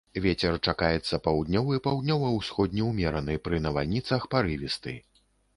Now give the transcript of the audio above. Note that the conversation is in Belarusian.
Вецер чакаецца паўднёвы, паўднёва-ўсходні ўмераны, пры навальніцах парывісты.